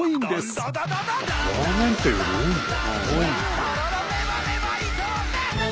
ラーメン店より多いんだ。